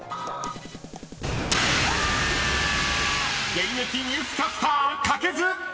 ［現役ニュースキャスター書けず！］